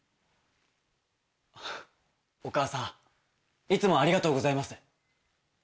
お母さんいつもありがとうございます。